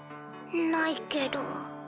ないけど。